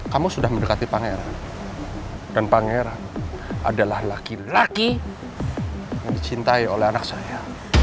kamu sudah mendekati pangeran dan pangeran adalah laki laki yang dicintai oleh anak saya